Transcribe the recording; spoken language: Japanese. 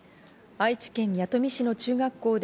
愛知県弥富市の中学校で